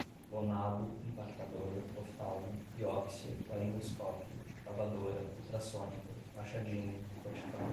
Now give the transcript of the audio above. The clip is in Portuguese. lonado, impactador, oftalmo, biópsia, laringoscópio, lavadora, ultrassônica, machadinha, cortical